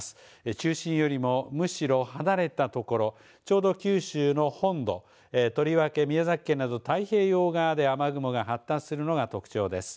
中心よりもむしろ離れたところちょうど九州の本土とりわけ宮崎県など太平洋側で雨雲が発達するのが特徴です。